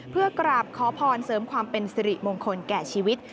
เพื่อกราบขอพรเสริมความเป็นสิริมงคลแก่ชีวิต